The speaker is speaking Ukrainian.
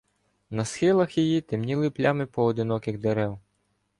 На схилах її темніли плями поодиноких дерев.